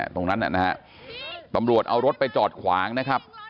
ตรงนั้นนะฮะตำรวจเอารถไปจอดขวางนะครับ